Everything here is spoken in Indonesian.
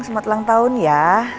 selamat ulang tahun ya